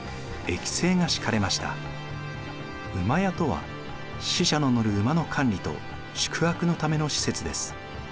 駅家とは使者の乗る馬の管理と宿泊のための施設です。